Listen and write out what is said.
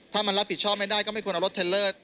ถ้ามันรับผิดชอบไม่ได้ก็ไม่ควรเอารถเทลเลอร์